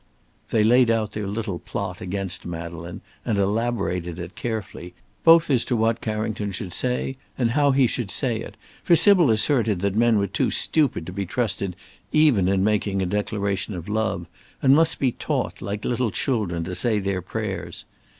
They laid out their little plot against Madeleine and elaborated it carefully, both as to what Carrington should say and how he should say it, for Sybil asserted that men were too stupid to be trusted even in making a declaration of love, and must be taught, like little children to say their prayers.